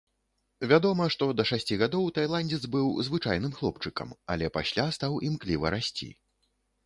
Вядома, што да шасці гадоў тайландзец быў звычайным хлопчыкам, але пасля стаў імкліва расці.